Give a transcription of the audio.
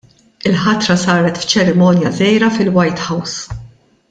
Il-ħatra saret f'ċerimonja żgħira fil-White House.